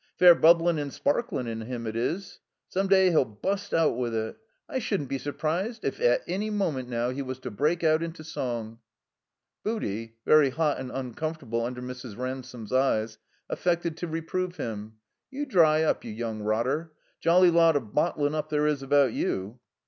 Pair bubblin' and sparklin' in him, it is. Some day he'll bust out with it. I shouldn't be surprised if, at any moment now, he was to break out into song." Booty, very hot and tmcomfortable imder Mrs. Ransome's eyes, affected to reprove him. "You dry up, you yoimg rotter. Jolly lot of bottlin' up there is about you."